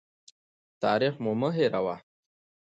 تاریخ مو مه هېروه.